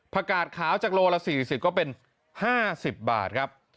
กาดขาวจากโลละ๔๐ก็เป็น๕๐บาทครับ